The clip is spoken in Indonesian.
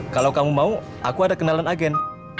kalau kamu mau aku ada kenalan agen